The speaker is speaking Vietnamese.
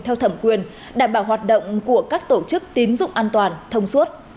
theo thẩm quyền đảm bảo hoạt động của các tổ chức tín dụng an toàn thông suốt